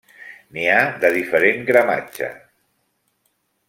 N'hi ha de diferent gramatge.